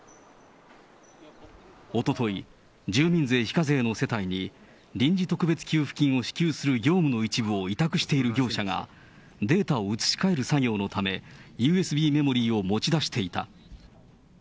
おととい、住民税非課税の世帯に、臨時特別給付金を支給する業務の一部を委託している業者がデータを移し替える作業のため、ＵＳＢメモリーを持ち出していた。